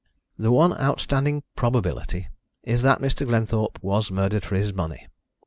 "The one outstanding probability is that Mr. Glenthorpe was murdered for his money.